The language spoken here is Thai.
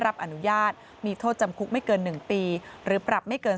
รับอนุญาตมีโทษจำคุกไม่เกิน๑ปีหรือปรับไม่เกิน